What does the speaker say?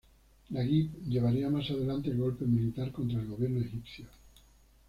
Naguib llevaría más adelante el golpe militar contra el gobierno egipcio.